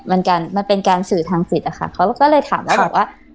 มันการมันเป็นการสื่อทางสิทธิอะค่ะเขาก็เลยถามแล้วบอกว่า